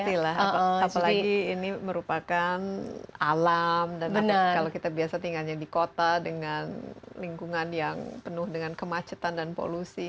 apalagi ini merupakan alam dan kalau kita biasa tinggalnya di kota dengan lingkungan yang penuh dengan kemacetan dan polusi